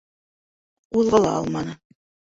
Ҡуҙғала алманы.